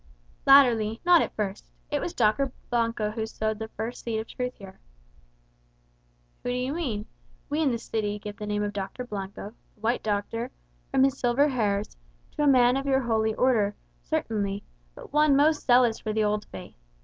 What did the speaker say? "Latterly; not at first. It was Dr. Blanco who sowed the first seed of truth here." "Whom do you mean? We in the city give the name of Dr. Blanco (the white doctor), from his silver hairs, to a man of your holy order, certainly, but one most zealous for the old faith.